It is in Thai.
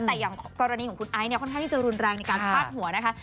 แต่อย่างกรณีของคุณไอซ์เนี่ยค่อนข้างที่จะรุนแรงในการพาดหัวนะคะ